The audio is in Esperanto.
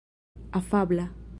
afabla